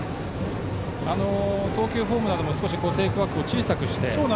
投球フォームなども少しテイクバックを小さくして。